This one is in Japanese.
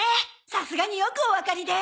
さすがによくおわかりで。